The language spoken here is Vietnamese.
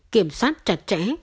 kiểm soát chặt chẽ